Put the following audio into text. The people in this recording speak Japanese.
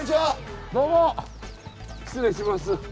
失礼します。